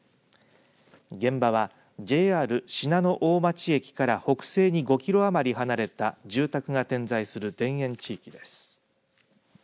現場はＪＲ信濃大町駅から北西に５キロ余り離れた住宅が点在する田園地域です。